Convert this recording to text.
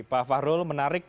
pak fahrul menarik